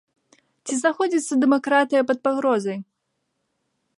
Ці знаходзіцца дэмакратыя пад пагрозай?